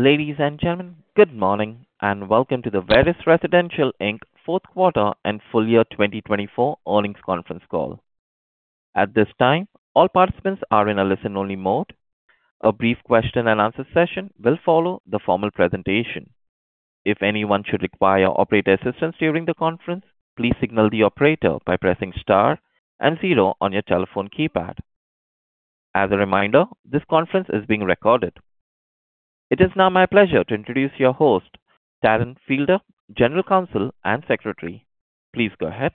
Ladies and gentlemen, good morning and welcome to the Veris Residential Inc. Fourth Quarter and Full Year 2024 Earnings Conference Call. At this time, all participants are in a listen-only mode. A brief question-and-answer session will follow the formal presentation. If anyone should require operator assistance during the conference, please signal the operator by pressing star and zero on your telephone keypad. As a reminder, this conference is being recorded. It is now my pleasure to introduce your host, Taryn Fielder, General Counsel and Secretary. Please go ahead.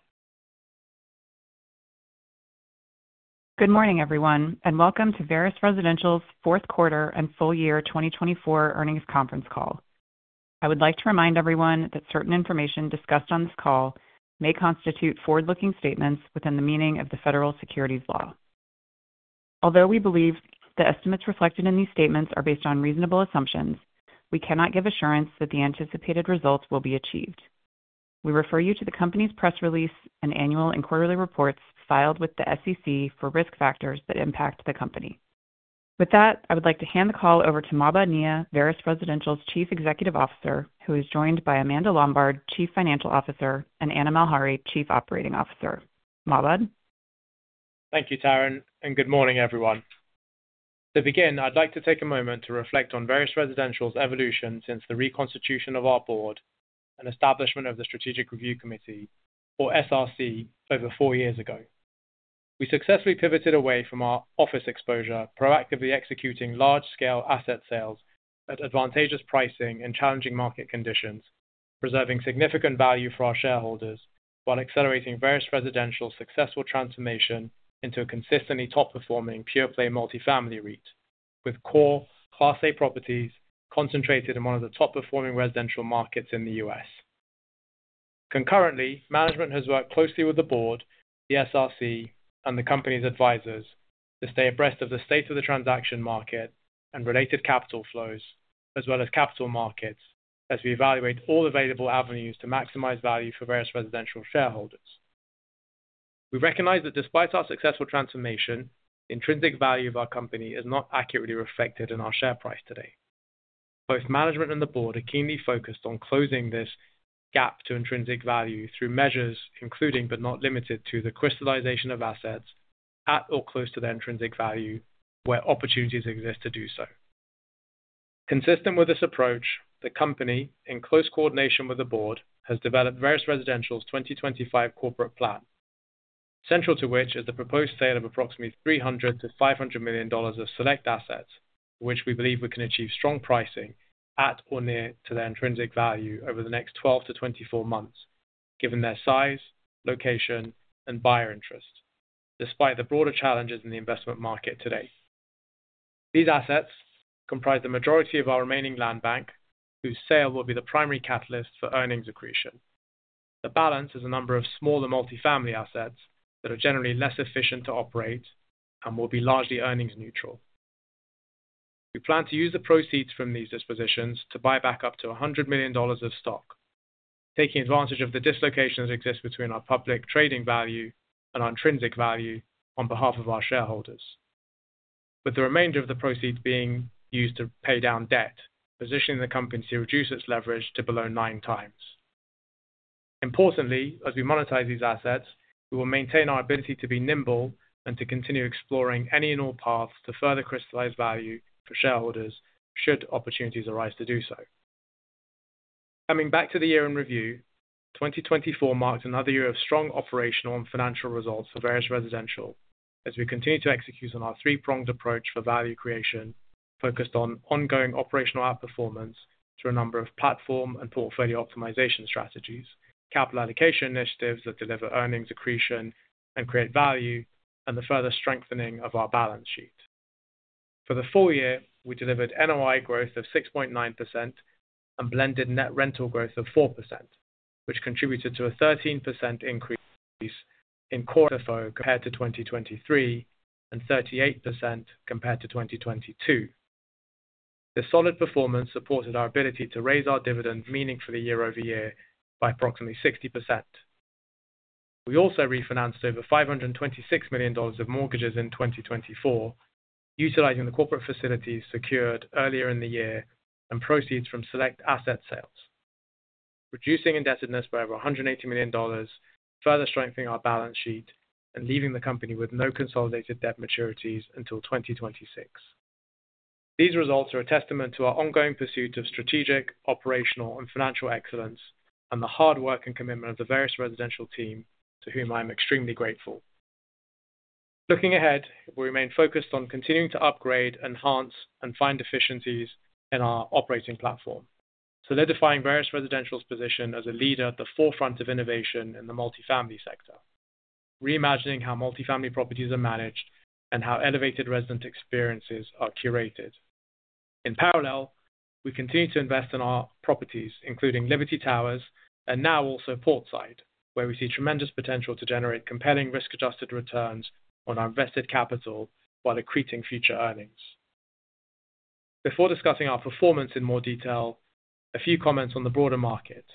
Good morning, everyone, and welcome to Veris Residential's Fourth Quarter and Full Year 2024 Earnings Conference Call. I would like to remind everyone that certain information discussed on this call may constitute forward-looking statements within the meaning of the federal securities laws. Although we believe the estimates reflected in these statements are based on reasonable assumptions, we cannot give assurance that the anticipated results will be achieved. We refer you to the company's press release and annual and quarterly reports filed with the SEC for risk factors that impact the company. With that, I would like to hand the call over to Mahbod Nia, Veris Residential's Chief Executive Officer, who is joined by Amanda Lombard, Chief Financial Officer, and Anna Malhari, Chief Operating Officer. Mahbod. Thank you, Taryn, and good morning, everyone. To begin, I'd like to take a moment to reflect on Veris Residential's evolution since the reconstitution of our board and establishment of the Strategic Review Committee, or SRC, over four years ago. We successfully pivoted away from our office exposure, proactively executing large-scale asset sales at advantageous pricing and challenging market conditions, preserving significant value for our shareholders while accelerating Veris Residential's successful transformation into a consistently top-performing pure-play multifamily REIT with core Class A properties concentrated in one of the top-performing residential markets in the U.S. Concurrently, management has worked closely with the board, the SRC, and the company's advisors to stay abreast of the state of the transaction market and related capital flows, as well as capital markets, as we evaluate all available avenues to maximize value for Veris Residential shareholders. We recognize that despite our successful transformation, the intrinsic value of our company is not accurately reflected in our share price today. Both management and the board are keenly focused on closing this gap to intrinsic value through measures including, but not limited to, the crystallization of assets at or close to their intrinsic value where opportunities exist to do so. Consistent with this approach, the company, in close coordination with the board, has developed Veris Residential's 2025 corporate plan, central to which is the proposed sale of approximately $300-$500 million of select assets, for which we believe we can achieve strong pricing at or near to their intrinsic value over the next 12 to 24 months, given their size, location, and buyer interest, despite the broader challenges in the investment market today. These assets comprise the majority of our remaining land bank, whose sale will be the primary catalyst for earnings accretion. The balance is a number of smaller multifamily assets that are generally less efficient to operate and will be largely earnings neutral. We plan to use the proceeds from these dispositions to buy back up to $100 million of stock, taking advantage of the dislocation that exists between our public trading value and our intrinsic value on behalf of our shareholders, with the remainder of the proceeds being used to pay down debt, positioning the company to reduce its leverage to below nine times. Importantly, as we monetize these assets, we will maintain our ability to be nimble and to continue exploring any and all paths to further crystallize value for shareholders should opportunities arise to do so. Coming back to the year in review, 2024 marked another year of strong operational and financial results for Veris Residential, as we continue to execute on our three-pronged approach for value creation focused on ongoing operational outperformance through a number of platform and portfolio optimization strategies, capital allocation initiatives that deliver earnings accretion and create value, and the further strengthening of our balance sheet. For the full year, we delivered NOI growth of 6.9% and blended net rental growth of 4%, which contributed to a 13% increase in Core FFO compared to 2023 and 38% compared to 2022. This solid performance supported our ability to raise our dividend meaningfully year-over-year by approximately 60%. We also refinanced over $526 million of mortgages in 2024, utilizing the corporate facilities secured earlier in the year and proceeds from select asset sales, reducing indebtedness by over $180 million, further strengthening our balance sheet and leaving the company with no consolidated debt maturities until 2026. These results are a testament to our ongoing pursuit of strategic, operational, and financial excellence and the hard work and commitment of the Veris Residential team, to whom I am extremely grateful. Looking ahead, we remain focused on continuing to upgrade, enhance, and find efficiencies in our operating platform, solidifying Veris Residential's position as a leader at the forefront of innovation in the multifamily sector, reimagining how multifamily properties are managed and how elevated resident experiences are curated. In parallel, we continue to invest in our properties, including Liberty Towers and now also Portside, where we see tremendous potential to generate compelling risk-adjusted returns on our invested capital while accreting future earnings. Before discussing our performance in more detail, a few comments on the broader market.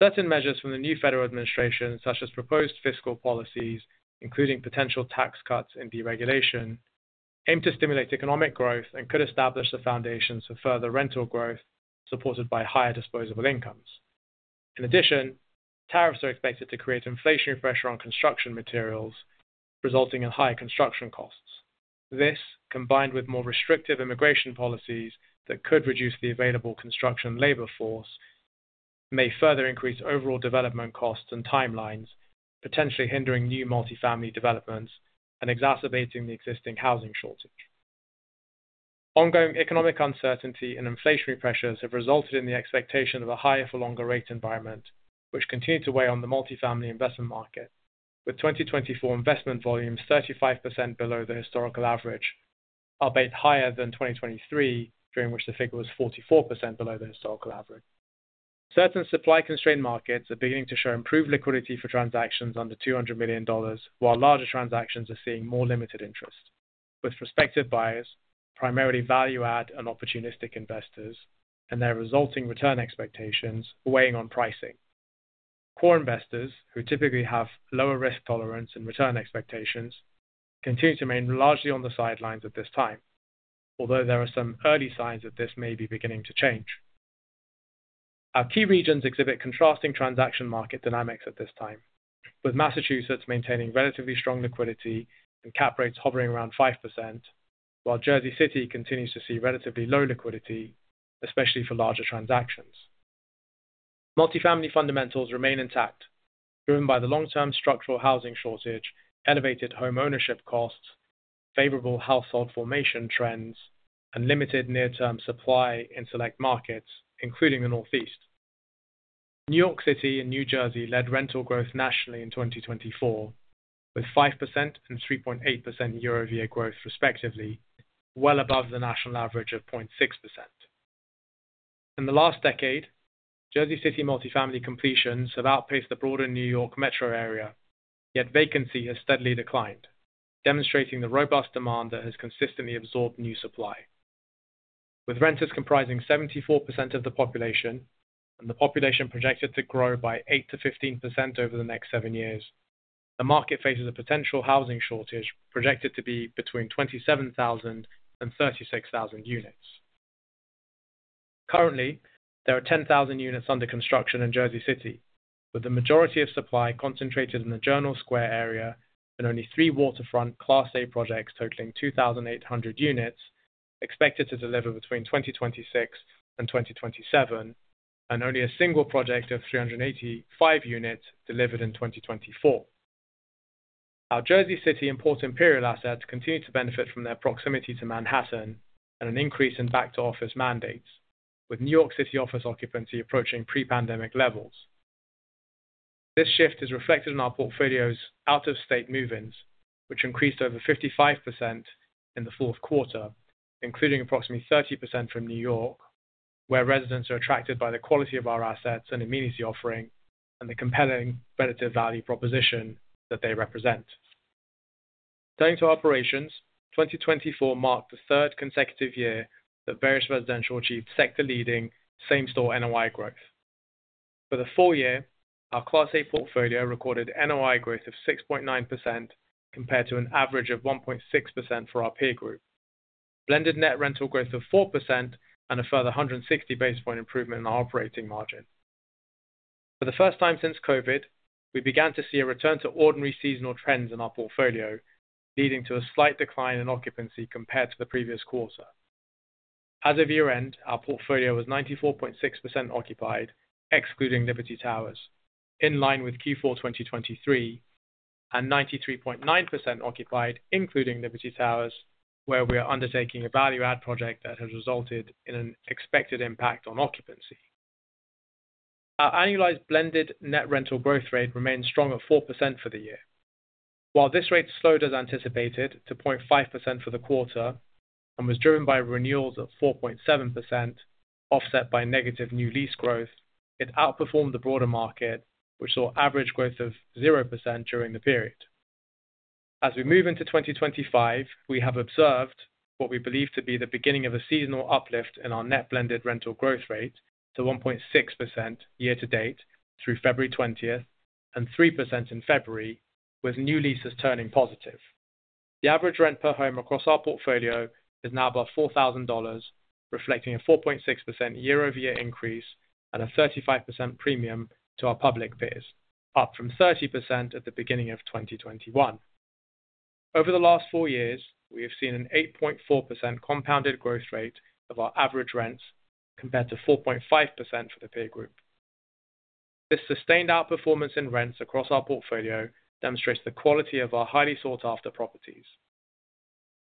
Certain measures from the new federal administration, such as proposed fiscal policies, including potential tax cuts and deregulation, aim to stimulate economic growth and could establish the foundations for further rental growth supported by higher disposable incomes. In addition, tariffs are expected to create inflationary pressure on construction materials, resulting in higher construction costs. This, combined with more restrictive immigration policies that could reduce the available construction labor force, may further increase overall development costs and timelines, potentially hindering new multifamily developments and exacerbating the existing housing shortage. Ongoing economic uncertainty and inflationary pressures have resulted in the expectation of a higher-for-longer rate environment, which continues to weigh on the multifamily investment market, with 2024 investment volumes 35% below the historical average, albeit higher than 2023, during which the figure was 44% below the historical average. Certain supply-constrained markets are beginning to show improved liquidity for transactions under $200 million, while larger transactions are seeing more limited interest, with prospective buyers, primarily value-add and opportunistic investors, and their resulting return expectations weighing on pricing. Core investors, who typically have lower risk tolerance and return expectations, continue to remain largely on the sidelines at this time, although there are some early signs that this may be beginning to change. Our key regions exhibit contrasting transaction market dynamics at this time, with Massachusetts maintaining relatively strong liquidity and cap rates hovering around 5%, while Jersey City continues to see relatively low liquidity, especially for larger transactions. Multifamily fundamentals remain intact, driven by the long-term structural housing shortage, elevated homeownership costs, favorable household formation trends, and limited near-term supply in select markets, including the Northeast. New York City and New Jersey led rental growth nationally in 2024, with 5% and 3.8% year-over-year growth, respectively, well above the national average of 0.6%. In the last decade, Jersey City multifamily completions have outpaced the broader New York metro area, yet vacancy has steadily declined, demonstrating the robust demand that has consistently absorbed new supply. With renters comprising 74% of the population and the population projected to grow by 8%-15% over the next seven years, the market faces a potential housing shortage projected to be between 27,000 and 36,000 units. Currently, there are 10,000 units under construction in Jersey City, with the majority of supply concentrated in the Journal Square area and only three waterfront Class A projects totaling 2,800 units expected to deliver between 2026 and 2027, and only a single project of 385 units delivered in 2024. Our Jersey City and Port Imperial assets continue to benefit from their proximity to Manhattan and an increase in back-to-office mandates, with New York City office occupancy approaching pre-pandemic levels. This shift is reflected in our portfolios' out-of-state movings, which increased over 55% in the fourth quarter, including approximately 30% from New York, where residents are attracted by the quality of our assets and immediacy offering and the compelling relative value proposition that they represent. Turning to operations, 2024 marked the third consecutive year that Veris Residential achieved sector-leading same-store NOI growth. For the full year, our Class A portfolio recorded NOI growth of 6.9% compared to an average of 1.6% for our peer group, blended net rental growth of 4%, and a further 160 basis point improvement in our operating margin. For the first time since COVID, we began to see a return to ordinary seasonal trends in our portfolio, leading to a slight decline in occupancy compared to the previous quarter. As of year-end, our portfolio was 94.6% occupied, excluding Liberty Towers, in line with Q4 2023, and 93.9% occupied, including Liberty Towers, where we are undertaking a value-add project that has resulted in an expected impact on occupancy. Our annualized blended net rental growth rate remained strong at 4% for the year. While this rate slowed as anticipated to 0.5% for the quarter and was driven by renewals at 4.7%, offset by negative new lease growth, it outperformed the broader market, which saw average growth of 0% during the period. As we move into 2025, we have observed what we believe to be the beginning of a seasonal uplift in our net blended rental growth rate to 1.6% year-to-date through February 20th and 3% in February, with new leases turning positive. The average rent per home across our portfolio is now above $4,000, reflecting a 4.6% year-over-year increase and a 35% premium to our public peers, up from 30% at the beginning of 2021. Over the last four years, we have seen an 8.4% compounded growth rate of our average rents compared to 4.5% for the peer group. This sustained outperformance in rents across our portfolio demonstrates the quality of our highly sought-after properties.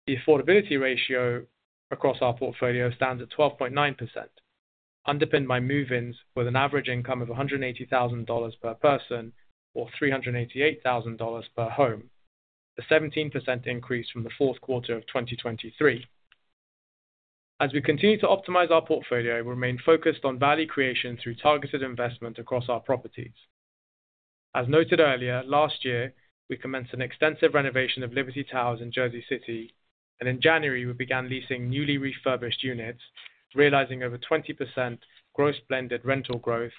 The affordability ratio across our portfolio stands at 12.9%, underpinned by move-ins with an average income of $180,000 per person or $388,000 per home, a 17% increase from the fourth quarter of 2023. As we continue to optimize our portfolio, we remain focused on value creation through targeted investment across our properties. As noted earlier, last year, we commenced an extensive renovation of Liberty Towers in Jersey City, and in January, we began leasing newly refurbished units, realizing over 20% gross blended rental growth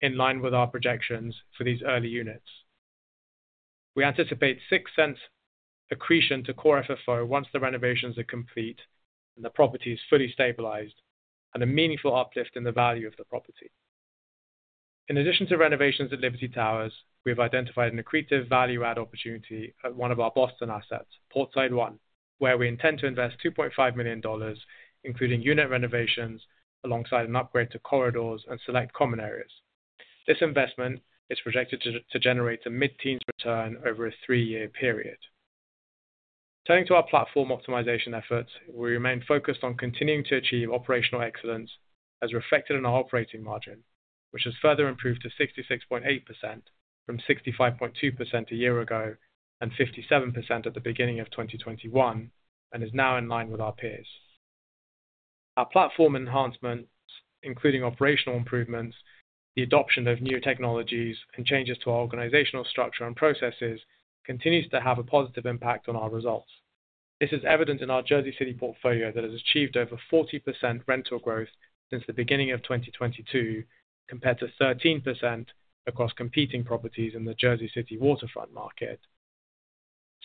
in line with our projections for these early units. We anticipate 6% accretion to Core FFO once the renovations are complete and the property is fully stabilized and a meaningful uplift in the value of the property. In addition to renovations at Liberty Towers, we have identified an accretive value-add opportunity at one of our Boston assets, Portside One, where we intend to invest $2.5 million, including unit renovations alongside an upgrade to corridors and select common areas. This investment is projected to generate a mid-teens return over a three-year period. Turning to our platform optimization efforts, we remain focused on continuing to achieve operational excellence as reflected in our operating margin, which has further improved to 66.8% from 65.2% a year ago and 57% at the beginning of 2021, and is now in line with our peers. Our platform enhancements, including operational improvements, the adoption of new technologies, and changes to our organizational structure and processes continues to have a positive impact on our results. This is evident in our Jersey City portfolio that has achieved over 40% rental growth since the beginning of 2022, compared to 13% across competing properties in the Jersey City waterfront market.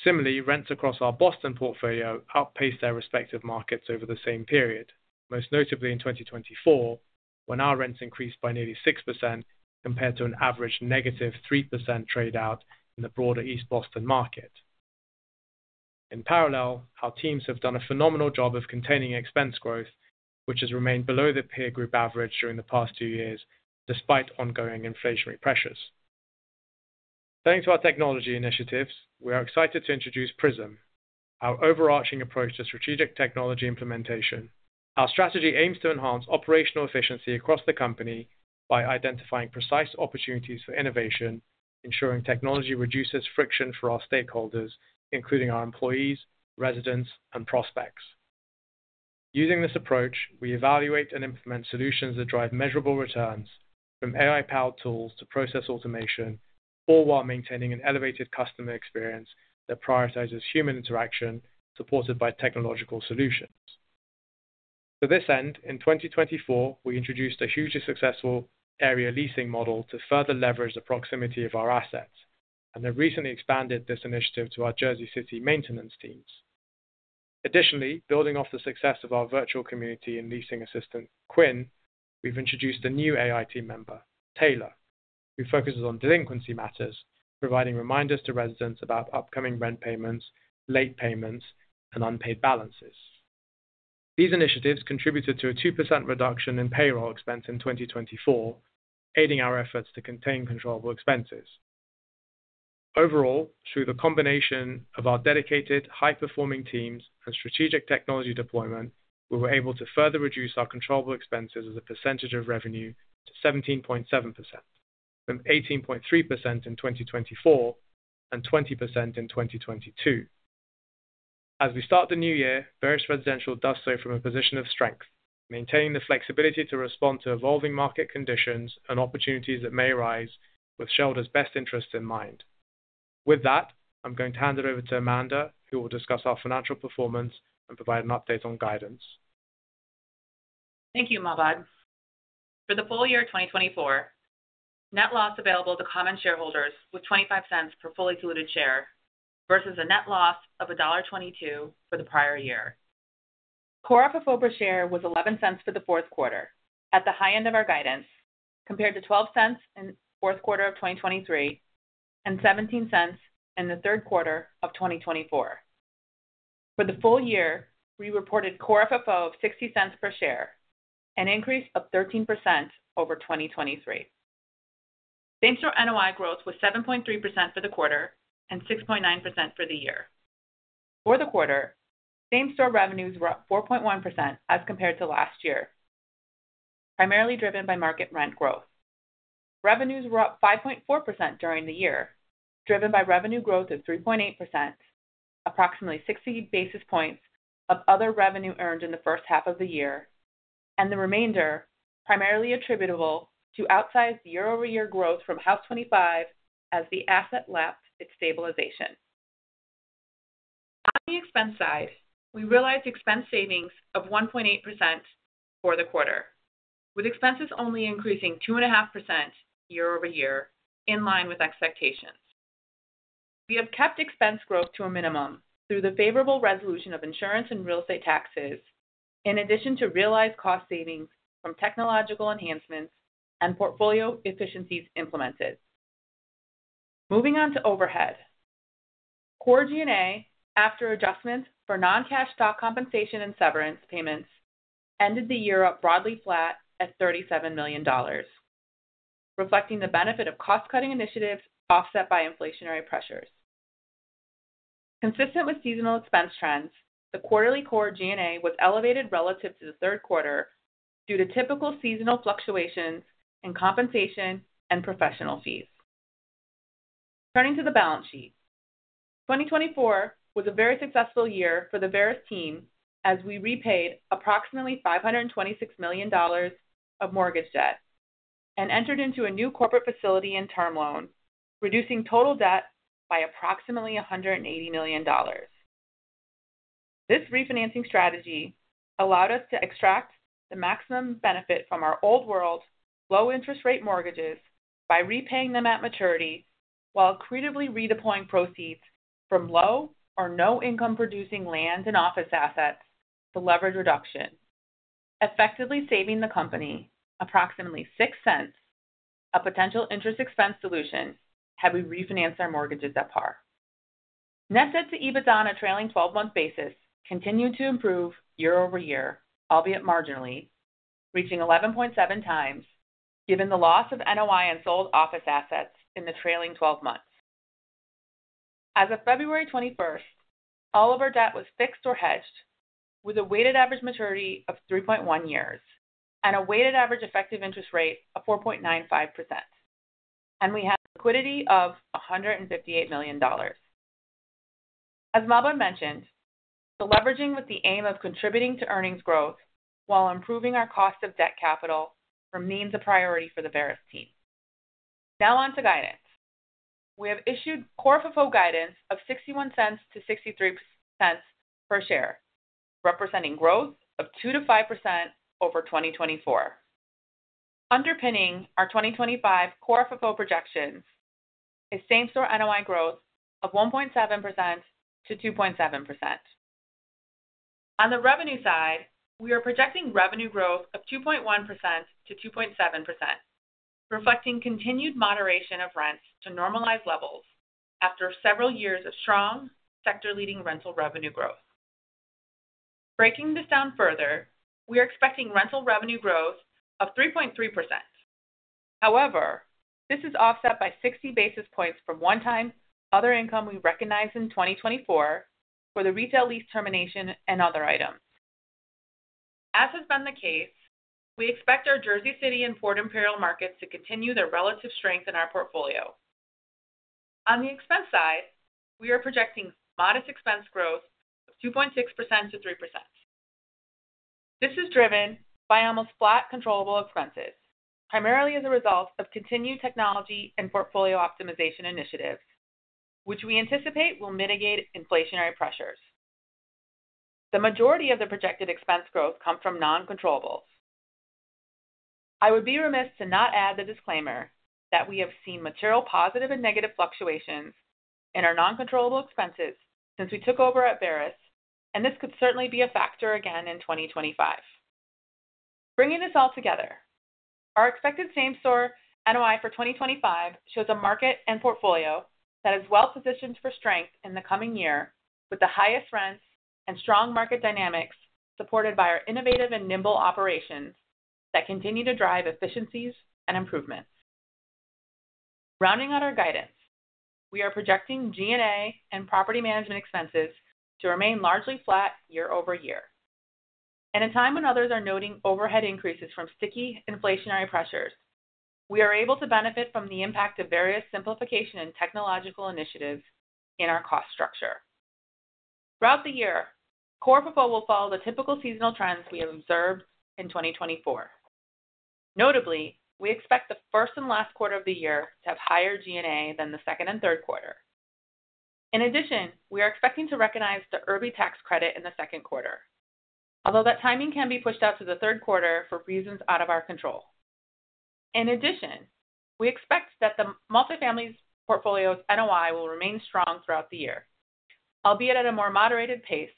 Similarly, rents across our Boston portfolio outpaced their respective markets over the same period, most notably in 2024, when our rents increased by nearly 6% compared to an average negative 3% trade-out in the broader East Boston market. In parallel, our teams have done a phenomenal job of containing expense growth, which has remained below the peer group average during the past two years, despite ongoing inflationary pressures. Turning to our technology initiatives, we are excited to introduce Prism, our overarching approach to strategic technology implementation. Our strategy aims to enhance operational efficiency across the company by identifying precise opportunities for innovation, ensuring technology reduces friction for our stakeholders, including our employees, residents, and prospects. Using this approach, we evaluate and implement solutions that drive measurable returns, from AI-powered tools to process automation, all while maintaining an elevated customer experience that prioritizes human interaction supported by technological solutions. To this end, in 2024, we introduced a hugely successful area leasing model to further leverage the proximity of our assets, and have recently expanded this initiative to our Jersey City maintenance teams. Additionally, building off the success of our virtual community and leasing assistant, Quinn, we've introduced a new AI team member, Taylor, who focuses on delinquency matters, providing reminders to residents about upcoming rent payments, late payments, and unpaid balances. These initiatives contributed to a 2% reduction in payroll expense in 2024, aiding our efforts to contain controllable expenses. Overall, through the combination of our dedicated, high-performing teams and strategic technology deployment, we were able to further reduce our controllable expenses as a percentage of revenue to 17.7%, from 18.3% in 2024 and 20% in 2022. As we start the new year, Veris Residential does so from a position of strength, maintaining the flexibility to respond to evolving market conditions and opportunities that may arise with shareholders' best interests in mind. With that, I'm going to hand it over to Amanda, who will discuss our financial performance and provide an update on guidance. Thank you, Mahbod. For the full year 2024, net loss available to common shareholders was $0.25 per fully diluted share versus a net loss of $1.22 for the prior year. Core FFO per share was $0.11 for the fourth quarter, at the high end of our guidance, compared to $0.12 in the fourth quarter of 2023 and $0.17 in the third quarter of 2024. For the full year, we reported Core FFO of $0.60 per share, an increase of 13% over 2023. Same-store NOI growth was 7.3% for the quarter and 6.9% for the year. For the quarter, same-store revenues were up 4.1% as compared to last year, primarily driven by market rent growth. Revenues were up 5.4% during the year, driven by revenue growth of 3.8%, approximately 60 basis points of other revenue earned in the first half of the year, and the remainder primarily attributable to outsized year-over-year growth from Haus25 as the asset lapsed its stabilization. On the expense side, we realized expense savings of 1.8% for the quarter, with expenses only increasing 2.5% year-over-year, in line with expectations. We have kept expense growth to a minimum through the favorable resolution of insurance and real estate taxes, in addition to realized cost savings from technological enhancements and portfolio efficiencies implemented. Moving on to overhead, core G&A, after adjustments for non-cash stock compensation and severance payments, ended the year up broadly flat at $37 million, reflecting the benefit of cost-cutting initiatives offset by inflationary pressures. Consistent with seasonal expense trends, the quarterly core G&A was elevated relative to the third quarter due to typical seasonal fluctuations in compensation and professional fees. Turning to the balance sheet, 2024 was a very successful year for the Veris team as we repaid approximately $526 million of mortgage debt and entered into a new corporate facility and term loan, reducing total debt by approximately $180 million. This refinancing strategy allowed us to extract the maximum benefit from our old-world, low-interest-rate mortgages by repaying them at maturity while accretively redeploying proceeds from low or no-income-producing land and office assets to leverage reduction, effectively saving the company approximately $0.06, a potential interest-expense solution had we refinanced our mortgages at par. Net debt to EBITDA on a trailing 12-month basis continued to improve year-over-year, albeit marginally, reaching 11.7 times, given the loss of NOI and sold office assets in the trailing 12 months. As of February 21st, all of our debt was fixed or hedged, with a weighted average maturity of 3.1 years and a weighted average effective interest rate of 4.95%, and we had liquidity of $158 million. As Mahbod mentioned, the leveraging with the aim of contributing to earnings growth while improving our cost of debt capital remains a priority for the Veris team. Now on to guidance. We have issued Core FFO guidance of $0.61-$0.63 per share, representing growth of 2%-5% over 2024. Underpinning our 2025 Core FFO projections is same-store NOI growth of 1.7%-2.7%. On the revenue side, we are projecting revenue growth of 2.1%-2.7%, reflecting continued moderation of rents to normalized levels after several years of strong sector-leading rental revenue growth. Breaking this down further, we are expecting rental revenue growth of 3.3%. However, this is offset by 60 basis points from one-time other income we recognized in 2024 for the retail lease termination and other items. As has been the case, we expect our Jersey City and Port Imperial markets to continue their relative strength in our portfolio. On the expense side, we are projecting modest expense growth of 2.6%-3%. This is driven by almost flat controllable expenses, primarily as a result of continued technology and portfolio optimization initiatives, which we anticipate will mitigate inflationary pressures. The majority of the projected expense growth comes from non-controllables. I would be remiss to not add the disclaimer that we have seen material positive and negative fluctuations in our non-controllable expenses since we took over at Veris, and this could certainly be a factor again in 2025. Bringing this all together, our expected same-store NOI for 2025 shows a market and portfolio that is well-positioned for strength in the coming year, with the highest rents and strong market dynamics supported by our innovative and nimble operations that continue to drive efficiencies and improvements. Rounding out our guidance, we are projecting G&A and property management expenses to remain largely flat year-over-year. In a time when others are noting overhead increases from sticky inflationary pressures, we are able to benefit from the impact of various simplification and technological initiatives in our cost structure. Throughout the year, Core FFO will follow the typical seasonal trends we have observed in 2024. Notably, we expect the first and last quarter of the year to have higher G&A than the second and third quarter. In addition, we are expecting to recognize the ERC tax credit in the second quarter, although that timing can be pushed out to the third quarter for reasons out of our control. In addition, we expect that the multifamily portfolio's NOI will remain strong throughout the year, albeit at a more moderated pace,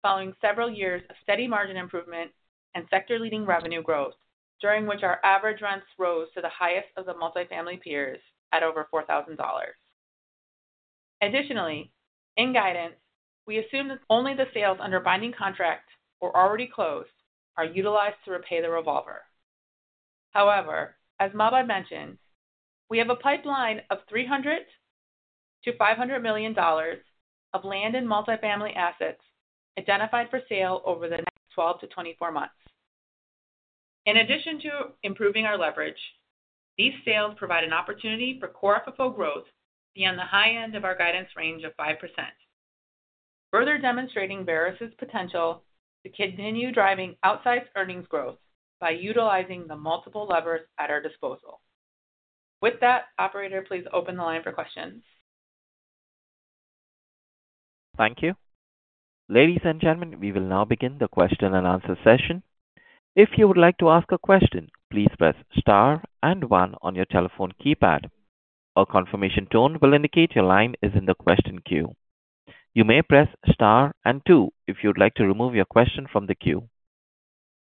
following several years of steady margin improvement and sector-leading revenue growth, during which our average rents rose to the highest of the multifamily peers at over $4,000. Additionally, in guidance, we assume that only the sales under binding contract or already closed are utilized to repay the revolver. However, as Mahbod mentioned, we have a pipeline of $300-$500 million of land and multifamily assets identified for sale over the next 12 to 24 months. In addition to improving our leverage, these sales provide an opportunity for Core FFO growth beyond the high end of our guidance range of 5%, further demonstrating Veris's potential to continue driving outsized earnings growth by utilizing the multiple levers at our disposal. With that, Operator, please open the line for questions. Thank you. Ladies and gentlemen, we will now begin the question and answer session. If you would like to ask a question, please press star and one on your telephone keypad. A confirmation tone will indicate your line is in the question queue. You may press star and two if you'd like to remove your question from the queue.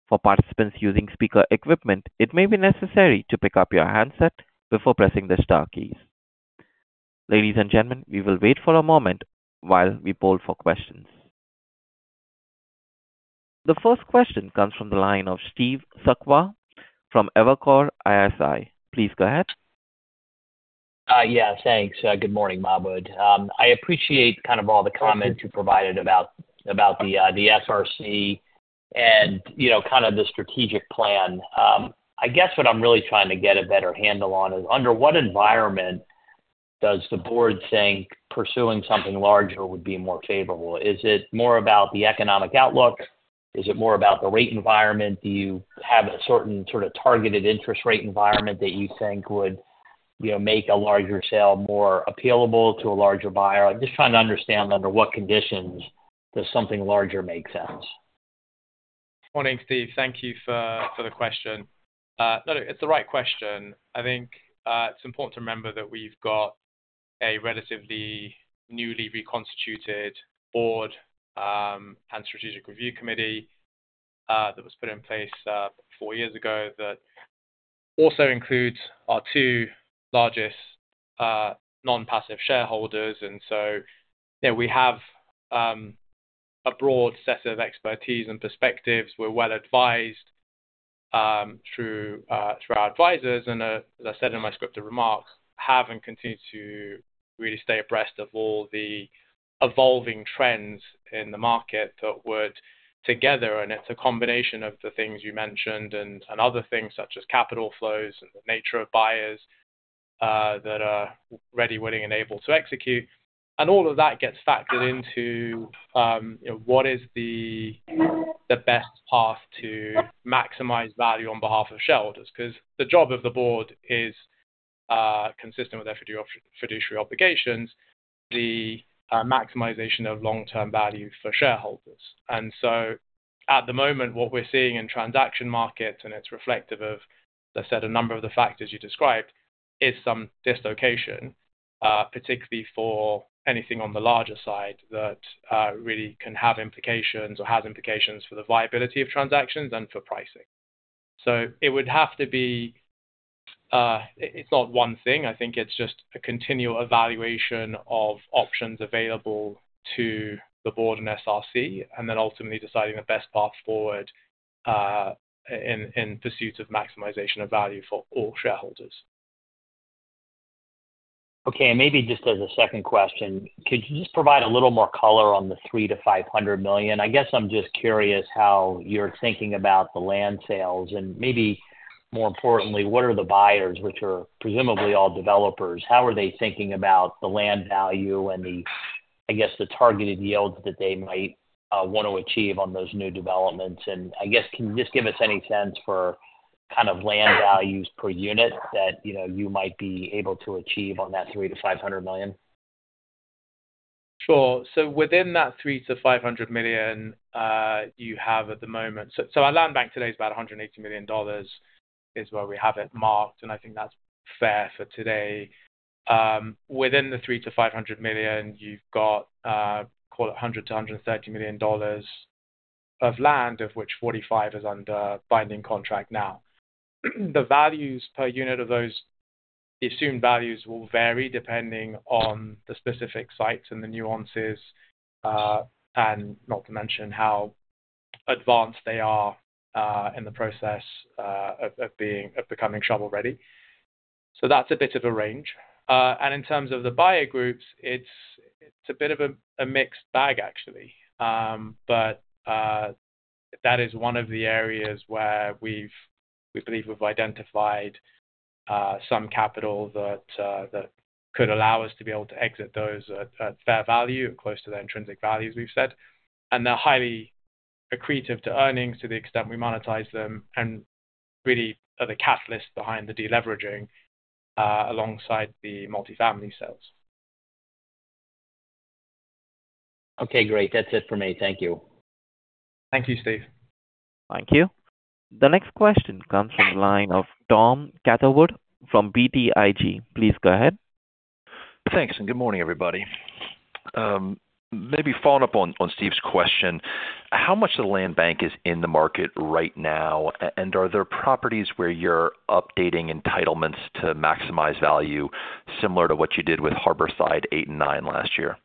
For participants using speaker equipment, it may be necessary to pick up your handset before pressing the star keys. Ladies and gentlemen, we will wait for a moment while we poll for questions. The first question comes from the line of Steve Sakwa from Evercore ISI. Please go ahead. Yeah, thanks. Good morning, Mahbod. I appreciate kind of all the comments you provided about the SRC and kind of the strategic plan. I guess what I'm really trying to get a better handle on is under what environment does the board think pursuing something larger would be more favorable? Is it more about the economic outlook? Is it more about the rate environment? Do you have a certain sort of targeted interest rate environment that you think would make a larger sale more appealable to a larger buyer? I'm just trying to understand under what conditions does something larger make sense. Morning, Steve. Thank you for the question. No, it's the right question. I think it's important to remember that we've got a relatively newly reconstituted board and strategic review committee that was put in place four years ago that also includes our two largest non-passive shareholders. And so we have a broad set of expertise and perspectives. We're well advised through our advisors, and as I said in my script of remarks, have and continue to really stay abreast of all the evolving trends in the market that would together, and it's a combination of the things you mentioned and other things such as capital flows and the nature of buyers that are ready, willing, and able to execute. And all of that gets factored into what is the best path to maximize value on behalf of shareholders. Because the job of the board is consistent with their fiduciary obligations, the maximization of long-term value for shareholders. At the moment, what we're seeing in transaction markets, and it's reflective of, as I said, a number of the factors you described, is some dislocation, particularly for anything on the larger side that really can have implications or has implications for the viability of transactions and for pricing. It would have to be. It's not one thing. I think it's just a continual evaluation of options available to the board and SRC, and then ultimately deciding the best path forward in pursuit of maximization of value for all shareholders. Okay. Maybe just as a second question, could you just provide a little more color on the $300-$500 million? I guess I'm just curious how you're thinking about the land sales, and maybe more importantly, what are the buyers, which are presumably all developers? How are they thinking about the land value and the, I guess, the targeted yields that they might want to achieve on those new developments? And I guess, can you just give us any sense for kind of land values per unit that you might be able to achieve on that $300-$500 million? Sure. So within that $300-$500 million you have at the moment so our land bank today is about $180 million is where we have it marked, and I think that's fair for today. Within the $300-$500 million, you've got, call it, $100-$130 million of land, of which $45 is under binding contract now. The values per unit of those assumed values will vary depending on the specific sites and the nuances, and not to mention how advanced they are in the process of becoming shovel ready. So that's a bit of a range. And in terms of the buyer groups, it's a bit of a mixed bag, actually. But that is one of the areas where we believe we've identified some capital that could allow us to be able to exit those at fair value, close to the intrinsic values we've said. And they're highly accretive to earnings to the extent we monetize them and really are the catalyst behind the deleveraging alongside the multifamily sales. Okay. Great. That's it for me. Thank you. Thank you, Steve. Thank you. The next question comes from the line of Tom Catherwood from BTIG. Please go ahead. Thanks. And good morning, everybody. Maybe following up on Steve's question, how much of the land bank is in the market right now? Are there properties where you're updating entitlements to maximize value similar to what you did with Harborside 8 and 9 last year?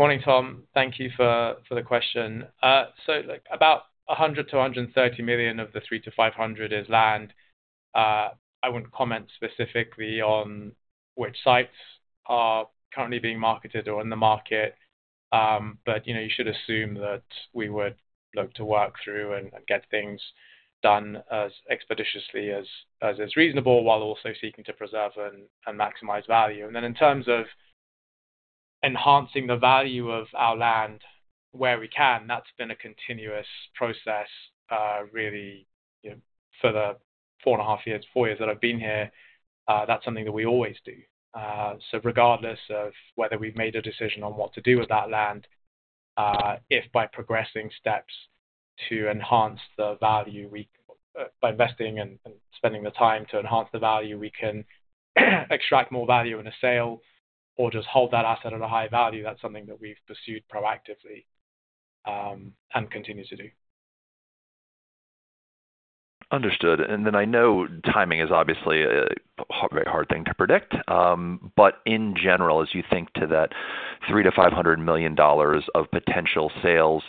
Morning, Tom. Thank you for the question. So about $100-$130 million of the $300-$500 is land. I wouldn't comment specifically on which sites are currently being marketed or in the market, but you should assume that we would look to work through and get things done as expeditiously as is reasonable while also seeking to preserve and maximize value. In terms of enhancing the value of our land where we can, that's been a continuous process really for the four and a half years, four years that I've been here. That's something that we always do. So regardless of whether we've made a decision on what to do with that land, if by progressing steps to enhance the value, by investing and spending the time to enhance the value, we can extract more value in a sale or just hold that asset at a high value, that's something that we've pursued proactively and continue to do. Understood. And then I know timing is obviously a very hard thing to predict. But in general, as you think to that $300-$500 million of potential sales,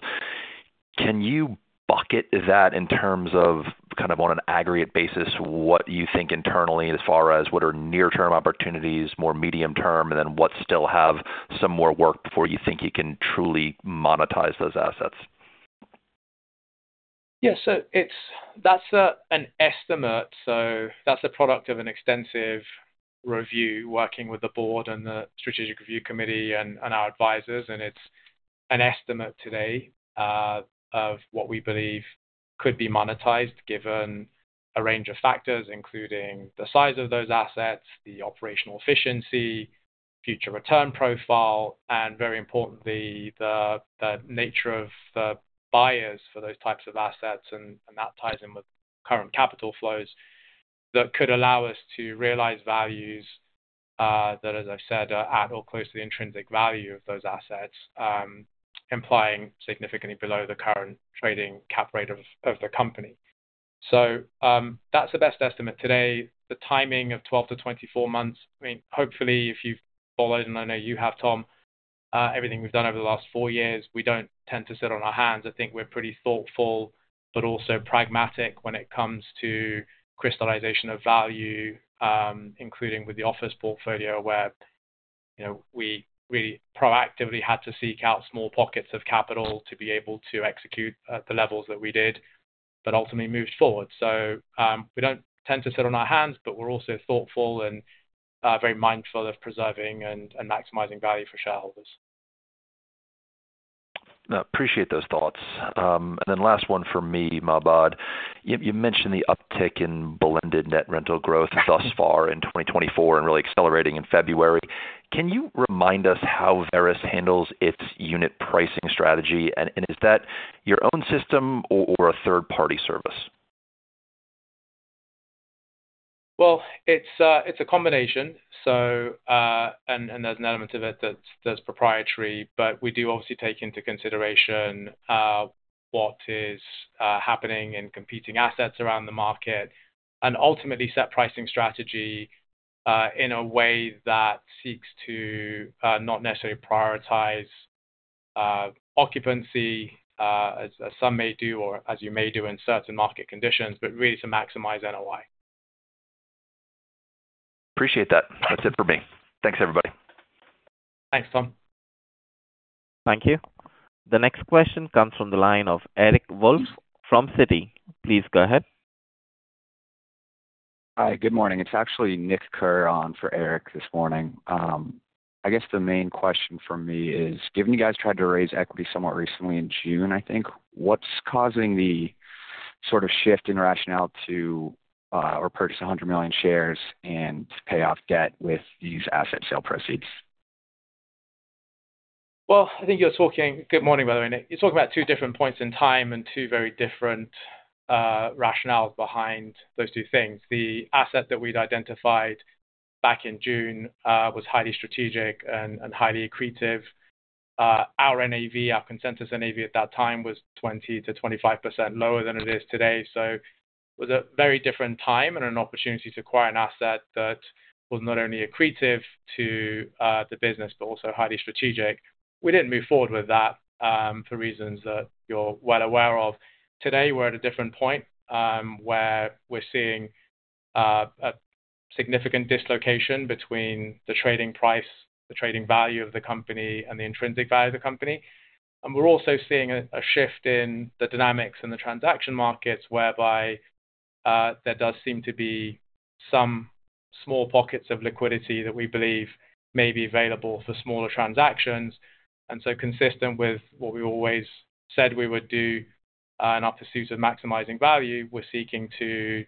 can you bucket that in terms of kind of on an aggregate basis, what you think internally as far as what are near-term opportunities, more medium-term, and then what still have some more work before you think you can truly monetize those assets? Yeah. So that's an estimate. So that's a product of an extensive review working with the board and the Strategic Review Committee and our advisors. And it's an estimate today of what we believe could be monetized given a range of factors, including the size of those assets, the operational efficiency, future return profile, and very importantly, the nature of the buyers for those types of assets. And that ties in with current capital flows that could allow us to realize values that, as I've said, are at or close to the intrinsic value of those assets, implying significantly below the current trading cap rate of the company. So that's the best estimate today. The timing of 12-24 months, I mean, hopefully, if you've followed, and I know you have, Tom, everything we've done over the last four years, we don't tend to sit on our hands. I think we're pretty thoughtful, but also pragmatic when it comes to crystallization of value, including with the office portfolio where we really proactively had to seek out small pockets of capital to be able to execute at the levels that we did, but ultimately moved forward. So we don't tend to sit on our hands, but we're also thoughtful and very mindful of preserving and maximizing value for shareholders. Appreciate those thoughts. And then last one for me, Mahbod. You mentioned the uptick in blended net rental growth thus far in 2024 and really accelerating in February. Can you remind us how Veris handles its unit pricing strategy? And is that your own system or a third-party service? Well, it's a combination. And there's an element of it that's proprietary. But we do obviously take into consideration what is happening in competing assets around the market and ultimately set pricing strategy in a way that seeks to not necessarily prioritize occupancy, as some may do or as you may do in certain market conditions, but really to maximize NOI. Appreciate that. That's it for me. Thanks, everybody. Thanks, Tom. Thank you. The next question comes from the line of Eric Wolfe from Citi. Please go ahead. Hi. Good morning. It's actually Nick Kuran for Eric this morning. I guess the main question for me is, given you guys tried to raise equity somewhat recently in June, I think, what's causing the sort of shift in rationale to purchase 100 million shares and pay off debt with these asset sale proceeds? Well, I think you're talking good morning, by the way, Nick. You're talking about two different points in time and two very different rationales behind those two things. The asset that we'd identified back in June was highly strategic and highly accretive. Our NAV, our consensus NAV at that time, was 20%-25% lower than it is today. So it was a very different time and an opportunity to acquire an asset that was not only accretive to the business, but also highly strategic. We didn't move forward with that for reasons that you're well aware of. Today, we're at a different point where we're seeing a significant dislocation between the trading price, the trading value of the company, and the intrinsic value of the company. And we're also seeing a shift in the dynamics in the transaction markets whereby there does seem to be some small pockets of liquidity that we believe may be available for smaller transactions. And so, consistent with what we always said we would do in our pursuit of maximizing value, we're seeking to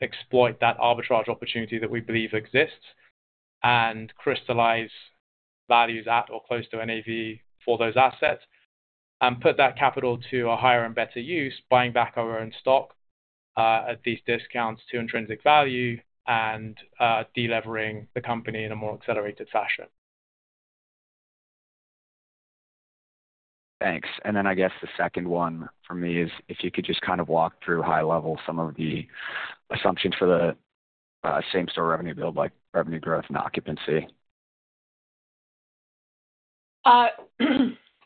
exploit that arbitrage opportunity that we believe exists and crystallize values at or close to NAV for those assets and put that capital to a higher and better use, buying back our own stock at these discounts to intrinsic value and delevering the company in a more accelerated fashion. Thanks. And then, I guess the second one for me is if you could just kind of walk through high level some of the assumptions for the same-store revenue build, like revenue growth and occupancy.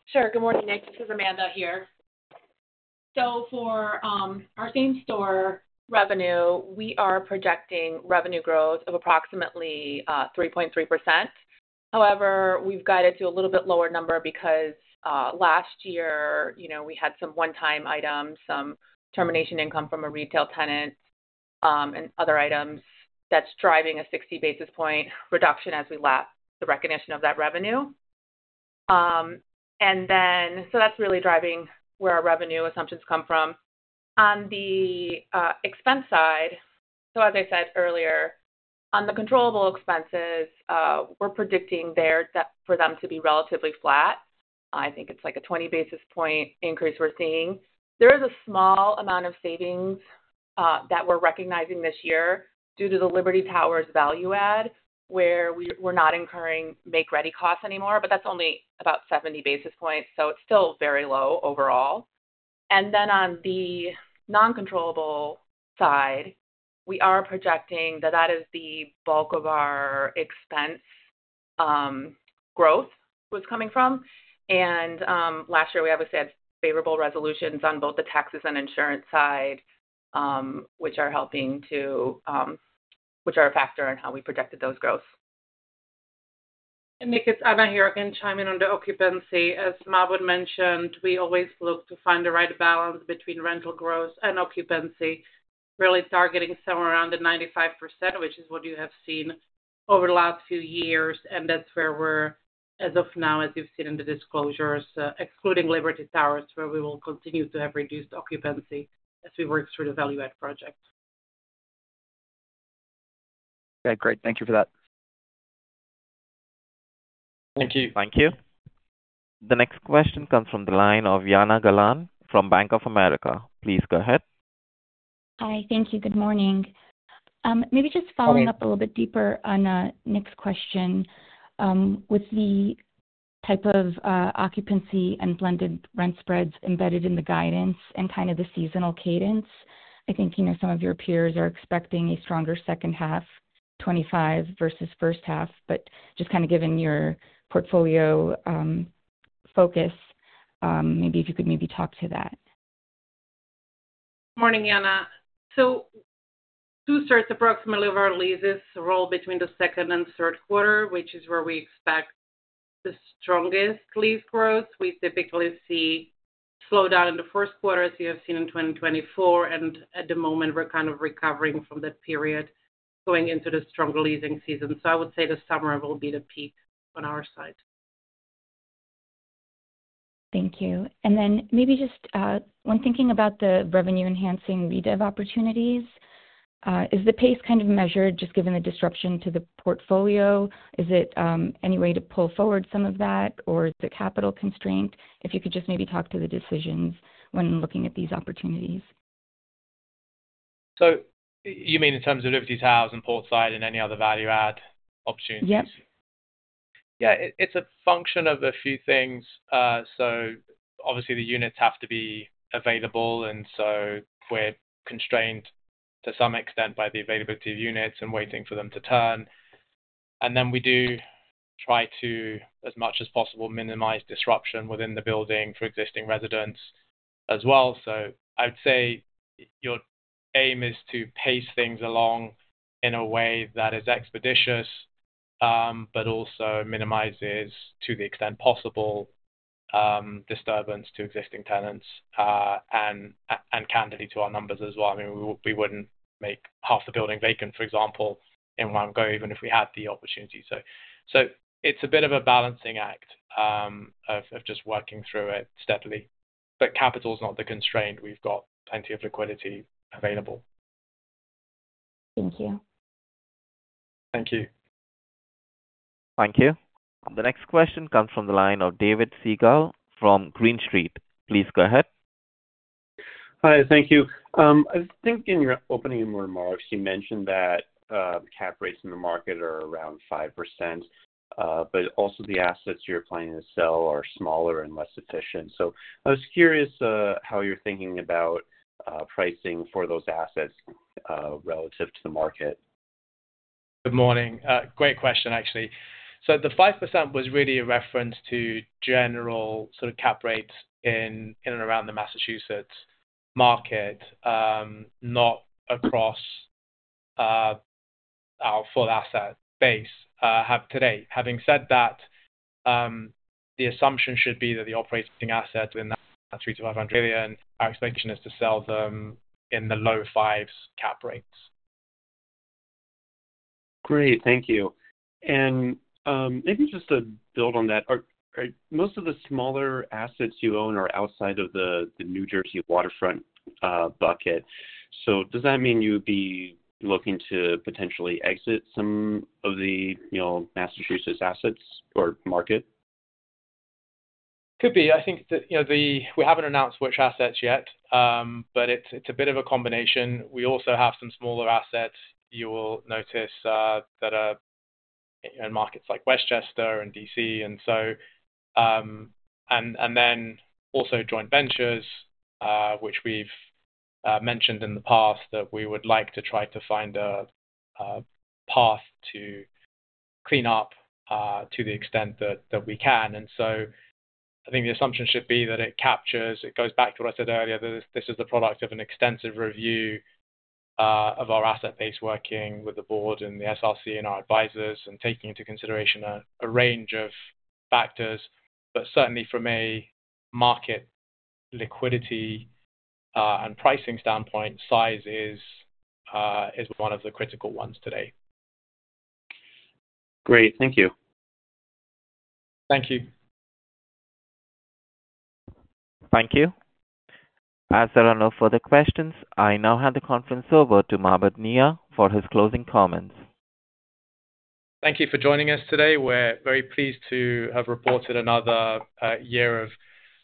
Sure. Good morning, Nick. This is Amanda here. So for our same-store revenue, we are projecting revenue growth of approximately 3.3%. However, we've guided to a little bit lower number because last year we had some one-time items, some termination income from a retail tenant and other items that's driving a 60 basis points reduction as we lap the recognition of that revenue. And so that's really driving where our revenue assumptions come from. On the expense side, so as I said earlier, on the controllable expenses, we're predicting there for them to be relatively flat. I think it's like a 20 basis points increase we're seeing. There is a small amount of savings that we're recognizing this year due to the Liberty Towers value-add where we're not incurring make-ready costs anymore, but that's only about 70 basis points. So it's still very low overall. And then on the non-controllable side, we are projecting that that is the bulk of our expense growth was coming from. Last year, we obviously had favorable resolutions on both the taxes and insurance side, which are a factor in how we projected those growths. Nick, it's Amanda here again, chiming in on occupancy. As Mahbod mentioned, we always look to find the right balance between rental growth and occupancy, really targeting somewhere around the 95%, which is what you have seen over the last few years. That's where we're, as of now, as you've seen in the disclosures, excluding Liberty Towers, where we will continue to have reduced occupancy as we work through the value add project. Okay. Great. Thank you for that. Thank you. Thank you. The next question comes from the line of Jana Galan from Bank of America. Please go ahead. Hi. Thank you. Good morning. Maybe just following up a little bit deeper on Nick's question with the type of occupancy and blended rent spreads embedded in the guidance and kind of the seasonal cadence. I think some of your peers are expecting a stronger second half, 2025 versus first half. But just kind of given your portfolio focus, maybe if you could maybe talk to that. Morning, Jana. So two-thirds approximately of our leases roll between the second and third quarter, which is where we expect the strongest lease growth. We typically see slowdown in the first quarter, as you have seen in 2024. And at the moment, we're kind of recovering from that period going into the stronger leasing season. So I would say the summer will be the peak on our side. Thank you. And then, maybe just when thinking about the revenue-enhancing redev opportunities, is the pace kind of measured just given the disruption to the portfolio? Is there any way to pull forward some of that, or is it capital constraint? If you could just maybe talk to the decisions when looking at these opportunities. So you mean in terms of Liberty Towers and Portside and any other value-add opportunities? Yes. Yeah. It's a function of a few things. So obviously, the units have to be available. And so we're constrained to some extent by the availability of units and waiting for them to turn. And then we do try to, as much as possible, minimize disruption within the building for existing residents as well. So I would say your aim is to pace things along in a way that is expeditious, but also minimizes, to the extent possible, disturbance to existing tenants and candidly to our numbers as well. I mean, we wouldn't make half the building vacant, for example, in one go, even if we had the opportunity. So it's a bit of a balancing act of just working through it steadily. But capital is not the constraint. We've got plenty of liquidity available. Thank you. Thank you. Thank you. The next question comes from the line of David Segall from Green Street. Please go ahead. Hi. Thank you. I think in your opening remarks, you mentioned that cap rates in the market are around 5%, but also the assets you're planning to sell are smaller and less efficient. I was curious how you're thinking about pricing for those assets relative to the market. Good morning. Great question, actually. The 5% was really a reference to general sort of cap rates in and around the Massachusetts market, not across our full asset base today. Having said that, the assumption should be that the operating assets in that $300 million-$500 million, our expectation is to sell them in the low fives cap rates. Great. Thank you. Maybe just to build on that, most of the smaller assets you own are outside of the New Jersey waterfront bucket. Does that mean you'd be looking to potentially exit some of the Massachusetts assets or market? Could be. I think that we haven't announced which assets yet, but it's a bit of a combination. We also have some smaller assets, you will notice, that are in markets like Westchester and D.C. And then also joint ventures, which we've mentioned in the past that we would like to try to find a path to clean up to the extent that we can. And so I think the assumption should be that it captures. It goes back to what I said earlier, that this is the product of an extensive review of our asset base working with the board and the SRC and our advisors and taking into consideration a range of factors. But certainly, from a market liquidity and pricing standpoint, size is one of the critical ones today. Great. Thank you. Thank you. Thank you. As there are no further questions, I now hand the conference over to Mahbod Nia for his closing comments. Thank you for joining us today. We're very pleased to have reported another year of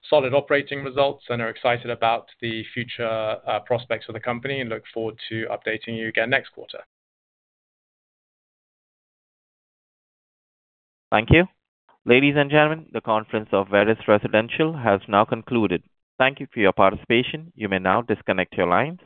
solid operating results and are excited about the future prospects of the company and look forward to updating you again next quarter. Thank you. Ladies and gentlemen, the conference call of Veris Residential has now concluded. Thank you for your participation. You may now disconnect your lines.